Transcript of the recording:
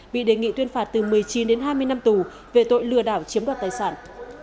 bị đề nghị tuyên phạt từ một mươi chín đến hai mươi năm tù về tội lừa đảo chiếm đoạt tài sản